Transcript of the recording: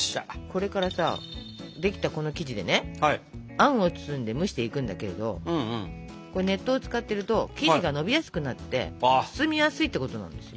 これからさできたこの生地でねあんを包んで蒸していくんだけどこれ熱湯を使ってると生地がのびやすくなって包みやすいってことなんです。